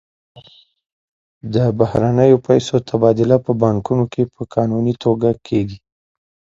د بهرنیو پیسو تبادله په بانکونو کې په قانوني توګه کیږي.